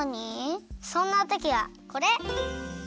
そんなときはこれ！